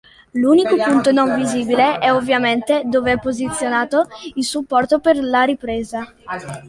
L'unico punto non visibile e ovviamente dove è posizionato il supporto per la ripresa.